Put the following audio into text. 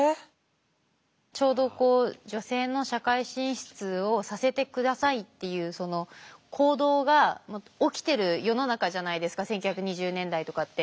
ちょうどこう女性の社会進出をさせてくださいっていうその行動が起きてる世の中じゃないですか１９２０年代とかって。